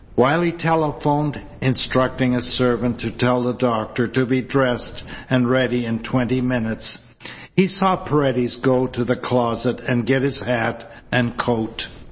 While he telephoned, instructing a servant to tell the doctor to be dressed and ready in twenty minutes, he saw Paredes go to the closet and get his hat and coat.